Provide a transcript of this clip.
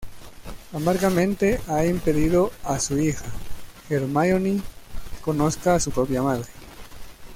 Amargamente, ha impedido a su hija, Hermíone, conozca a su propia madre.